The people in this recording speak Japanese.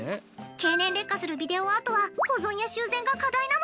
経年劣化するビデオアートは保存や修繕が課題なの。